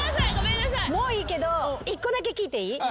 もういいけど１個だけ聞いていい？